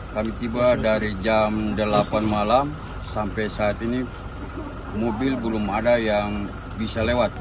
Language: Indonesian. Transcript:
kami tiba dari jam delapan malam sampai saat ini mobil belum ada yang bisa lewat